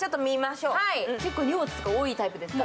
結構、荷物とか多いタイプですか？